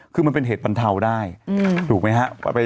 คือมันเป็นเหตุบรรเทาได้ถูกไหมครับ